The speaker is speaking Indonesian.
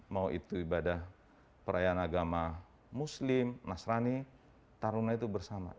mau itu ibadah perayaan agama muslim nasrani taruna itu bersama